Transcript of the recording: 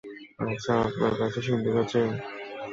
আচ্ছা, আপনার কাছে সিন্দুক আছে?